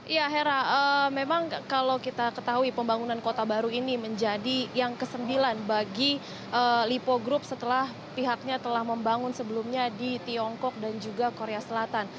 ya hera memang kalau kita ketahui pembangunan kota baru ini menjadi yang ke sembilan bagi lipo group setelah pihaknya telah membangun sebelumnya di tiongkok dan juga korea selatan